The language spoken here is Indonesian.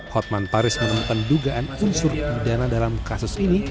hotman paris menemukan dugaan unsur pidana dalam kasus ini